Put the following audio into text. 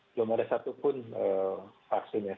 belum ada satupun vaksin yang